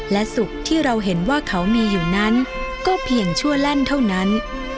และสุขที่เราเห็นว่าเขามีอยู่นั้นก็เพียงชั่วแล่นเท่านั้น